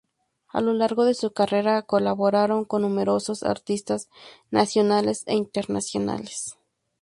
A lo largo de su carrera colaboraron con numerosos artistas nacionales e internacionales.